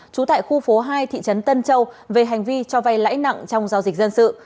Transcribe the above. trú tại khu phố hai thị trấn tân châu về hành vi cho vay lãi nặng trong giao dịch dân sự